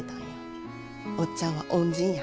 おっちゃんは恩人や。